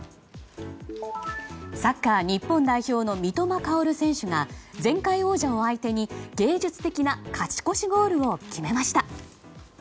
サッカー日本代表の三笘薫選手が前回王者を相手に芸術的な勝ち越しゴールを決めました。